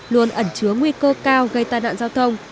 luôn ẩn chứa nguy cơ cao gây tai nạn giao thông